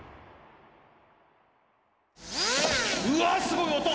うわすごい音！